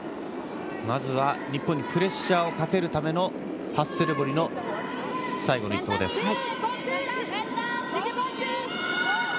まずは日本にプレッシャーをかけるためのハッセルボリの１投です。